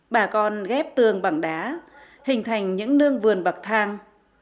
bà con ghép tường bằng đá hình thành những nương vườn bậc thang